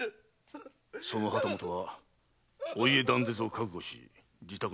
その旗本はお家断絶を覚悟し自宅にて切腹をした。